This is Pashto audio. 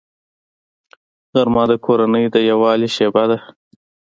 غرمه د کورنۍ د یووالي شیبه ده